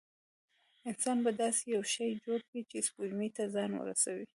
انسان به داسې یو شی جوړ کړي چې سپوږمۍ ته ځان ورسوي.